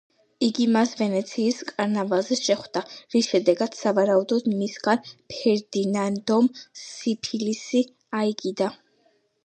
იგი მას ვენეციის კარნავალზე შეხვდა, რის შემდეგაც, სავარაუდოდ მისგან ფერდინანდომ სიფილისი აიკიდა.